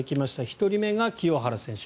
１人目が清原選手。